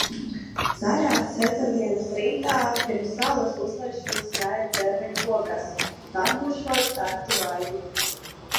Zaļās Ceturtdienas rītā pirms saules uzlēkšanas jāēd dzērveņu ogas, tad būšot sārti vaigi.